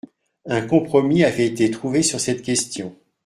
Un compromis avait été trouvé sur cette question.